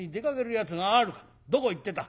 どこ行ってた？」。